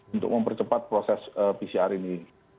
untuk mempercepat proses pcr ini